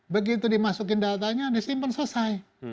begitu dimasukin datanya disimpan selesai